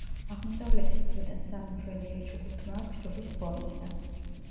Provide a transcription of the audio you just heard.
აღმოსავლეთის მხრიდან სამი მშვენიერი ჩუქურთმა აქვს ჯვრის ფორმისა.